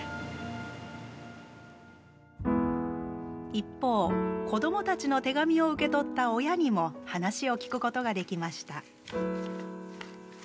一方、子どもたちの手紙を受け取った親にも話を聞くことができました。